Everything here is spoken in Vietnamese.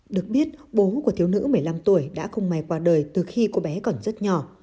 được biết bố của thiếu nữ một mươi năm tuổi đã không may qua đời từ khi cô bé còn rất nhỏ